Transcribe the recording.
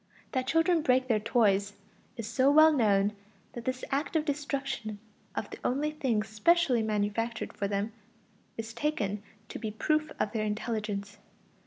That children break their toys is so well known that this act of destruction of the only things specially manufactured for them is taken to be a proof of their intelligence.